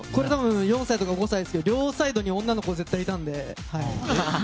４歳とか５歳ですけど両サイドに、女の子絶対いたので。